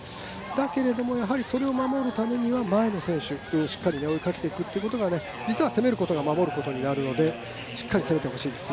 だけれどもそれを守るためには前の選手をしっかり追っていくというのが実は攻めることが守ることになるので、しっかり攻めてほしいです。